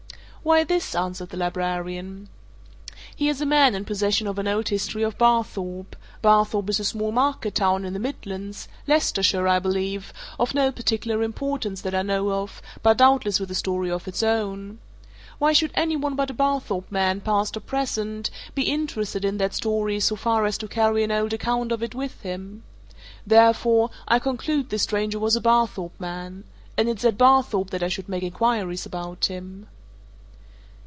"Why this," answered the librarian. "Here's a man in possession of an old history of Barthorpe. Barthorpe is a small market town in the Midlands Leicestershire, I believe, of no particular importance that I know of, but doubtless with a story of its own. Why should any one but a Barthorpe man, past or present, be interested in that story so far as to carry an old account of it with him? Therefore, I conclude this stranger was a Barthorpe man. And it's at Barthorpe that I should make inquiries about him."